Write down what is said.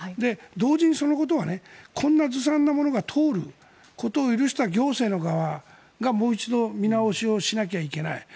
同時にそのことはこんなずさんなものが通ることを許した行政の側がもう一度見直しをしなきゃいけない。